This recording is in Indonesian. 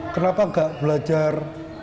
kenapa gak belajar